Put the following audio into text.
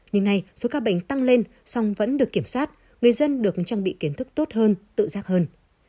nhưng nay số ca bệnh tăng lên song vẫn được kiểm soát người dân được trang bị kiến thức tốt hơn tự giác hơn